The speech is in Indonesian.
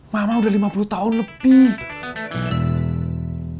mama udah lima puluh tahun lebih